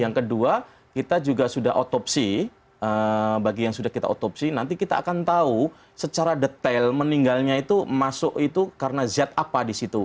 yang kedua kita juga sudah otopsi bagi yang sudah kita otopsi nanti kita akan tahu secara detail meninggalnya itu masuk itu karena zat apa di situ